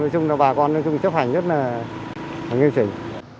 nói chung là bà con chấp hành rất là nghiêm trình